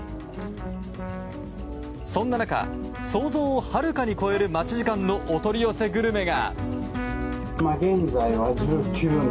そんな中、想像をはるかに超える待ち時間のお取り寄せグルメが。